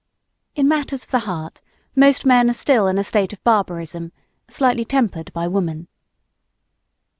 In matters of the heart most men are still in a state of barbarism, slightly tempered by woman.